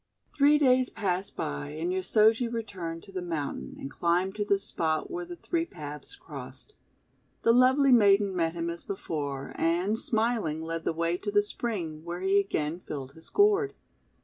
Three days passed by, and Yosoji returned to the mountain, and climbed to the spot where the three paths crossed. The lovely maiden met him, as before, and, smiling, led the way to the spring, where he again filled his gourd.